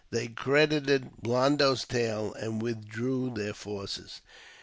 They credited Blondo's tale, and withdrew their forces.